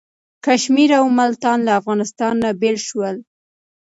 کشمیر او ملتان له افغانستان نه بیل شول.